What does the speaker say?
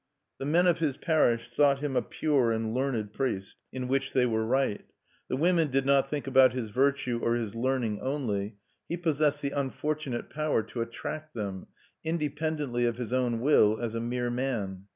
The men of his parish thought him a pure and learned priest, in which they were right. The women did not think about his virtue or his learning only: he possessed the unfortunate power to attract them, independently of his own will, as a mere man.